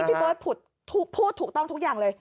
นี่พี่โบ๊ทพูดถูกต้องทุกอย่างเลย